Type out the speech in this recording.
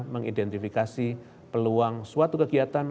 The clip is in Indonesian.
mengidentifikasi peluang suatu kegiatan